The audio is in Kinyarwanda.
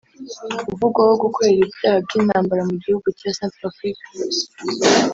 uvugwaho gukorera ibyaha by’intambara mu gihugu cya Centrafrique